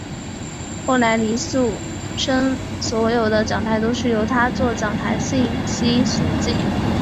后来倪柝声所有的讲台都是由他作讲台信息速记。